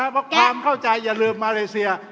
เพราะความเข้าใจอย่าลืมมาเลเซีย